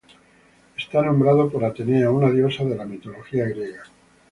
Está nombrado por Atenea, una diosa de la mitología griega.